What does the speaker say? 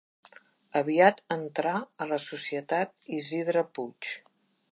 Aviat entrà a la societat Isidre Puig.